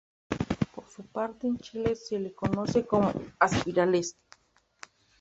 Por su parte, en Chile se le conoce como "espirales".